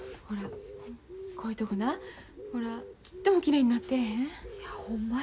ほらこういうとこなほらちっともきれいになってへん。